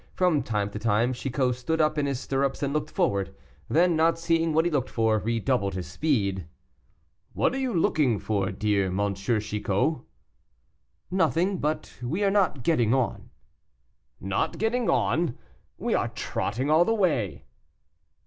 From time to time Chicot stood up in his stirrups and looked forward, then, not seeing what he looked for, redoubled his speed. "What are you looking for, dear M. Chicot?" "Nothing; but we are not getting on." "Not getting on! we are trotting all the way."